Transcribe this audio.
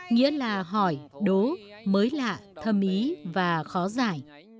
nghĩa là hỏi đố mới lạ thâm ý và khó giải